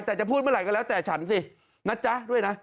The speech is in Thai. แต่จะพูดเมื่อไหร่ก็แล้วแต่ฉันสินะจ๊ะด้วยนะ